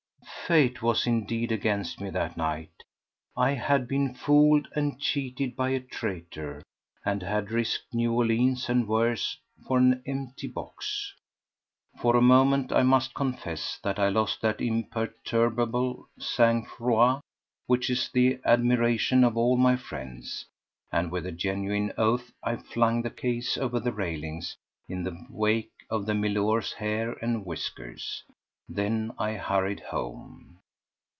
Fate was indeed against me that night. I had been fooled and cheated by a traitor, and had risked New Orleans and worse for an empty box. For a moment I must confess that I lost that imperturbable sang froid which is the admiration of all my friends, and with a genuine oath I flung the case over the railings in the wake of the milor's hair and whiskers. Then I hurried home.